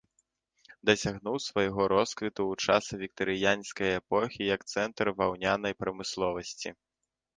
Дасягнуў свайго росквіту ў часы віктарыянскай эпохі як цэнтр ваўнянай прамысловасці.